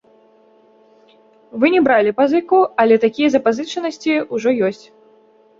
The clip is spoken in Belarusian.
Вы не бралі пазыку, але такія запазычанасці ўжо ёсць.